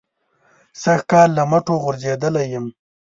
سږ کال له مټو غورځېدلی یم.